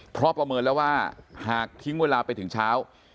เพราะประเมินแล้วว่าหากทิ้งเวลาไปถึงเช้า